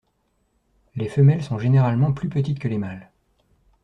Les femelles sont généralement plus petites que les mâles.